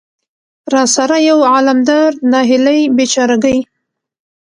را سره يو عالم درد، ناهيلۍ ،بېچاره ګۍ.